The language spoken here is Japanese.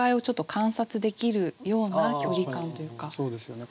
そうですよね。